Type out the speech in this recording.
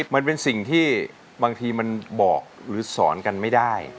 มันเป็นสิ่งที่บางทีมันบอกหรือสอนกันไม่ได้